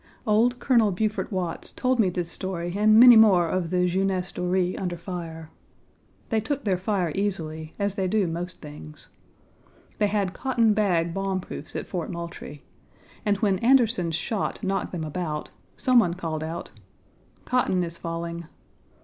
Old Colonel Beaufort Watts told me this story and many more of the jeunesse dorée under fire. They took the fire easily, as they do most things. They had cotton bag bomb proofs at Fort Moultrie, and when Anderson's shot knocked them about some one called out "Cotton is falling."